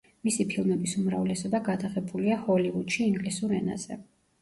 მისი ფილმების უმრავლესობა გადაღებულია ჰოლივუდში ინგლისურ ენაზე.